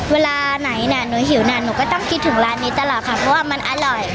เวลาไหนน่ะหนูหิวน่ะหนูก็ต้องคิดถึงร้านนี้ตลอดค่ะเพราะว่ามันอร่อย